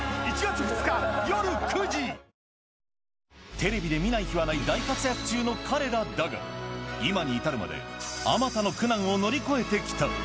テレビで見ない日はない大活躍中の彼らだが、今に至るまで、あまたの苦難を乗り越えてきた。